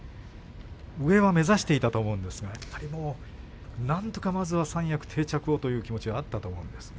上は目指していたと思うんですがやっぱりまずは三役定着をという気持ちはあったと思うんですが。